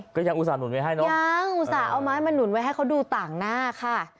อุตส่าหนุนไว้ให้เนอะยังอุตส่าห์เอาไม้มาหนุนไว้ให้เขาดูต่างหน้าค่ะ